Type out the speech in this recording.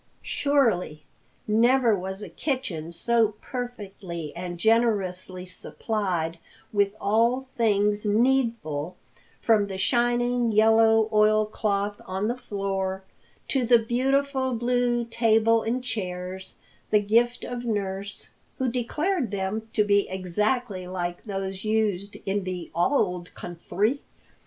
Surely never was a kitchen so perfectly and generously supplied with all things needful, from the shining yellow oil cloth on the floor to the beautiful blue table and chairs, the gift of nurse, who declared them to be exactly like those used in the "auld counthry."